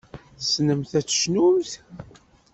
Tessnemt ad tecnumt.